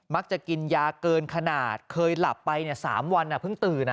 กินยาเกินขนาดเคยหลับไป๓วันเพิ่งตื่น